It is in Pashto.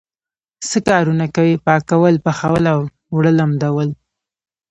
څه کارونه کوئ؟ پاکول، پخول او اوړه لمدول